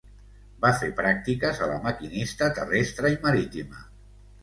Va fer pràctiques a la Maquinista Terrestre i Marítima.